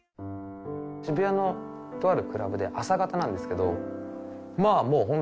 渋谷のとあるクラブで朝方なんですけど。